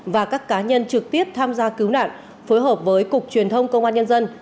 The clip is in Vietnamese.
và các cá nhân trực tiếp tham gia cứu nạn phối hợp với cục truyền thông công an nhân dân